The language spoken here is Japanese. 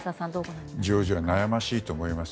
ジョージアは悩ましいと思います。